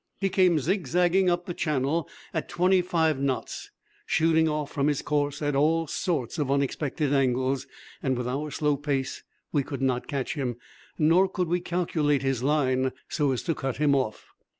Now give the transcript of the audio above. He came zigzagging up Channel at twenty five knots, shooting off from his course at all sorts of unexpected angles. With our slow pace we could not catch him, nor could we calculate his line so as to cut him off.